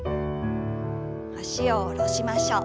脚を下ろしましょう。